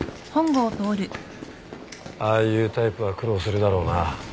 ああいうタイプは苦労するだろうな。